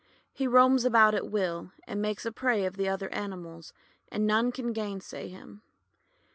He roams about at will, and makes a prey of the other animals, and none can gainsay him.